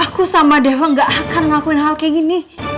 aku sama dewa gak akan ngelakuin hal kayak gini